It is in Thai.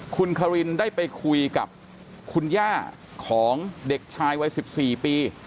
คุณคารินได้ไปคุยกับคุณย่าของเด็กชายวัย๑๔ปี